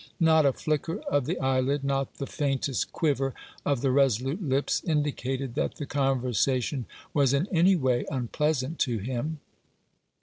Not a flicker of the eyelid, not the faintest quiver of the resolute lips, indicated that the conversation was in any way unpleasant to him.